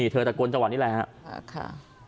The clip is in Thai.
เธอตะโกนจังหวัดนิแรฟฮะ